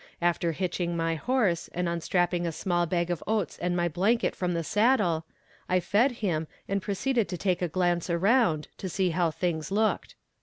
After hitching my horse, and unstrapping a small bag of oats and my blanket from the saddle, I fed him, and proceeded to take a glance around, to see how things looked.